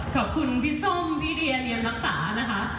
ขอบคุณพี่ส้มพี่เดียเรียมรักษานะคะ